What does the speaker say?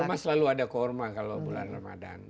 di rumah selalu ada kurma kalau bulan ramadhan